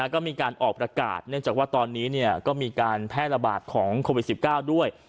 ก็มีการออกประกาศเนื่องจากว่าตอนนี้ก็มีการแพร่ระบาดของโควิด๑๙ด้วย